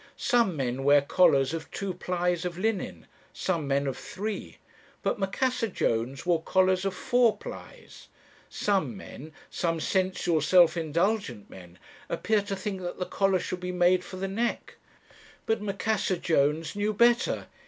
Some men wear collars of two plies of linen, some men of three; but Macassar Jones wore collars of four plies. Some men some sensual, self indulgent men appear to think that the collar should be made for the neck; but Macassar Jones knew better.